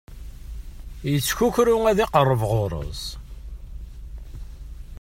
Ittkukru ad iqerreb ɣur-s.